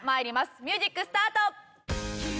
ミュージックスタート！